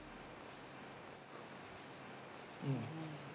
◆うん。